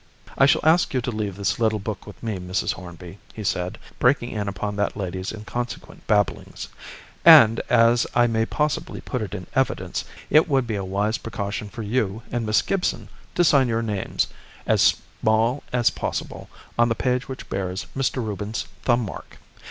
"I shall ask you to leave this little book with me, Mrs. Hornby," he said, breaking in upon that lady's inconsequent babblings, "and, as I may possibly put it in evidence, it would be a wise precaution for you and Miss Gibson to sign your names as small as possible on the page which bears Mr. Reuben's thumb mark.